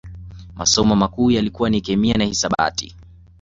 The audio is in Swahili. Masomo makuu yalikuwa ni Kemia na Hisabati